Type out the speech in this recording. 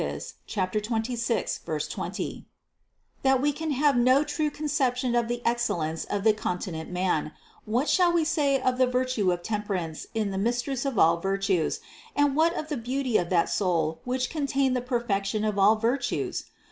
26, 20), that we can have no true conception of the excellence of the continent man, what shall we say of the virtue of temperance in the Mistress of all vir tues, and what of the beauty of that soul which con tained the perfection of all virtues?